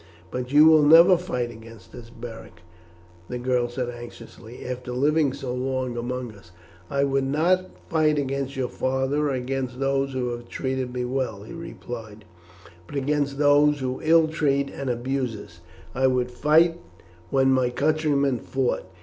"But you will never fight against us, Beric," the girl said anxiously, "after living so long among us?" "I would not fight against your father or against those who have treated me well," he replied; "but against those who ill treat and abuse us I would fight when my countrymen fought.